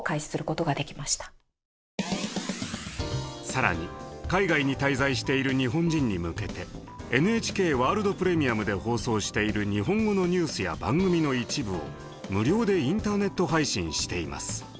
更に海外に滞在している日本人に向けてＮＨＫワールド・プレミアムで放送している日本語のニュースや番組の一部を無料でインターネット配信しています。